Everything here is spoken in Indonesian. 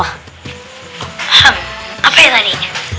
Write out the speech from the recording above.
hah apa ya tadi